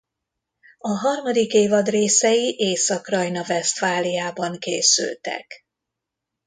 A harmadik évad részei Észak-Rajna-Vesztfáliában készültek.